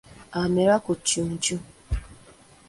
Amera ku ccuucu.